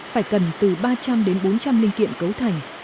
phải cần từ ba trăm linh đến bốn trăm linh linh kiện cấu thành